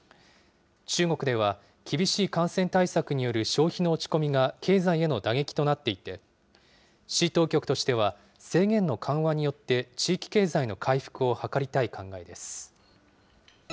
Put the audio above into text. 中国では、厳しい感染対策による消費の落ち込みが経済への打撃となっていて、市当局としては、制限の緩和によって地域経済の回復を図りたい考えです。